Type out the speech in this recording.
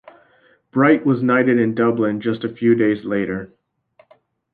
Bright was knighted in Dublin just a few days later.